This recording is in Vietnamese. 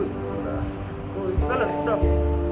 rất là xúc động